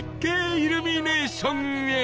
イルミネーションへ